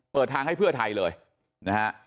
เปิดทางให้เพื่อไทยเลยนะฮะ